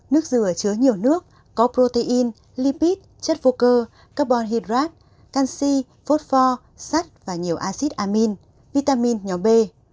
nước dừa chứa nhiều nước có protein lipid chất vô cơ carbon hydrate canxi phốt pho sát và nhiều acid amine vitamin nhóm b